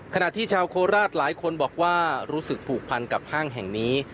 ขณะที่ชาวโคราชหลายคนบอกว่ารู้สึกผูกพันกับห้างแห่งนี้